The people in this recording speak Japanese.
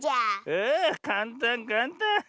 ああかんたんかんたん。